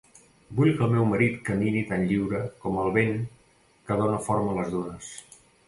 Vull que el meu marit camini tan lliure com el vent que dona forma a les dunes.